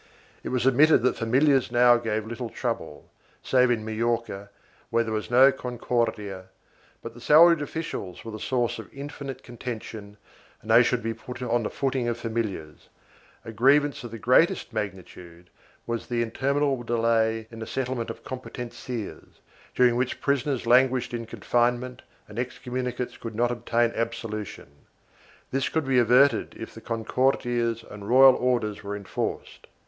It was admitted that familiars now gave little trouble, save in Majorca, where there was no Concordia, but the salaried officials were the source of infinite contention and they should be put on the footing of familiars. A grievance of the greatest magnitude was the inter minable delay in the settlement of competencias, during which prisoners languished in confinement and excommunicates could not obtain absolution; this could be averted if the Concordias and royal orders were enforced.